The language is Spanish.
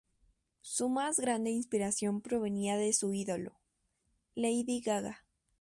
Su más grande inspiración provenía de su ídolo, Lady Gaga.